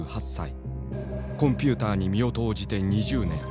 コンピューターに身を投じて２０年。